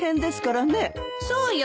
そうよ。